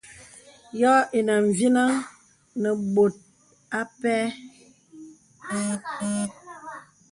Yɔ̄ ìnə mvinəŋ nə bɔ̀t a pɛ.